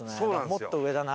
もっと上だな。